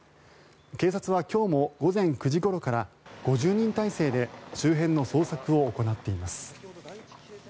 警察は今日も午前９時ごろから５０人態勢で周辺の捜索を行っています。